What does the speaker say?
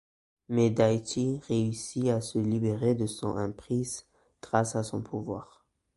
Mais Daichi réussit à se libérer de son emprise grâce à son pouvoir.